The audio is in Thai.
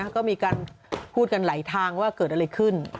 ก็มีการพูดกันหลายทางว่าเกิดอะไรขึ้น